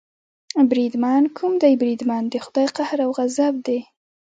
بریدمن، کوم دی بریدمن، د خدای قهر او غضب دې.